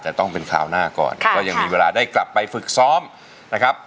แต่ต้องเป็นคราวหน้าก่อนก็ยังมีเวลาได้กลับไปฝึกซ้อมนะครับ